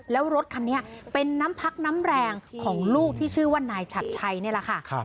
แล้วรถคันนี้เป็นน้ำพักน้ำแรงของลูกที่ชื่อว่านายชัดชัยนี่แหละค่ะ